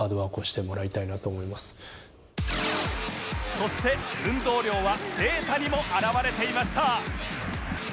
そして運動量はデータにも表れていました